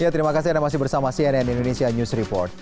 terima kasih anda masih bersama cnn indonesia news report